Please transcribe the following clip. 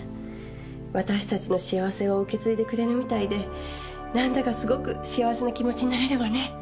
私たちの幸せを受け継いでくれるみたいでなんだかすごく幸せな気持ちになれるわね。